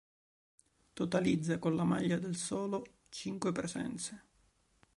Totalizza con la maglia del solo cinque presenze.